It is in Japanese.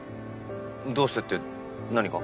どうしてって何が？